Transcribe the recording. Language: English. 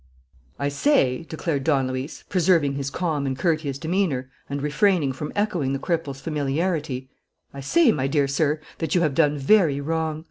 "I say," declared Don Luis, preserving his calm and courteous demeanour and refraining from echoing the cripple's familiarity, "I say, my dear sir, that you have done very wrong.